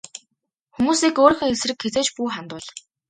Хүмүүсийг өөрийнхөө эсрэг хэзээ ч бүү хандуул.